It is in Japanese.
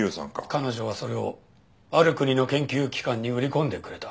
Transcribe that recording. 彼女はそれをある国の研究機関に売り込んでくれた。